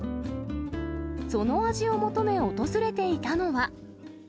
その味を求め、訪れていたのは。